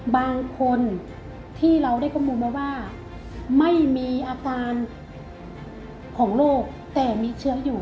บางคนที่เราได้ข้อมูลมาว่าไม่มีอาการของโรคแต่มีเชื้ออยู่